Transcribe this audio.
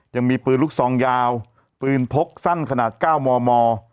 ยังมีปืนลูกซองยาวปืนพกสั้นขนาด๙มม